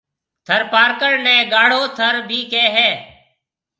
ٿر پارڪر نيَ گاڙھو ٿر ڀِي ڪيَ ھيََََ